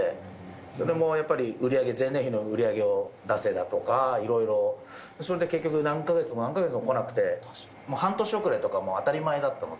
それもやっぱり前年比の売り上げを出せだとかいろいろ、それで結局、何か月もこなくて、半年遅れとか当たり前だったので。